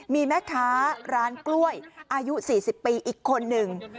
มีแม่ค้าร้านกล้วยอายุ๔๐ปีอีกคนหนึ่ง